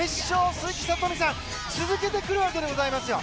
鈴木聡美さん、続けてくるわけでございますよ！